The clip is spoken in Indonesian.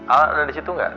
al ada disitu gak